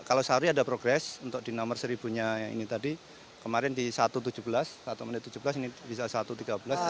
kalau sauri ada progres untuk di nomor seribunya yang ini tadi kemarin di satu menit tujuh belas ini bisa satu menit tiga belas